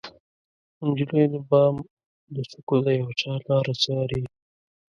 نجلۍ د بام د څوکو د یوچا لاره څارې